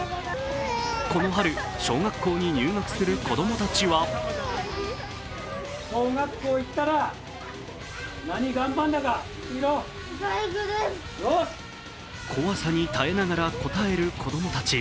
この春、小学校に入学する子供たちは怖さに耐えながら答える子供たち。